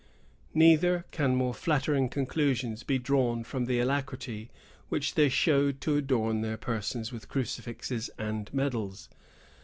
Neither can more flattering conclusions be drawn from the alacrity which they showed to adorn their persons with crucifixes and medals.